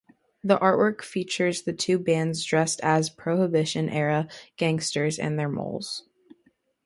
The artwork features the two bands dressed as prohibition era gangsters and their molls.